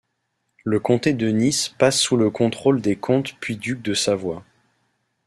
Le comté de Nice passe sous le contrôle des comtes puis ducs de Savoie.